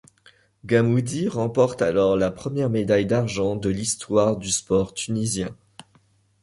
Gammoudi remporte alors la première médaille d'argent de l'histoire du sport tunisien.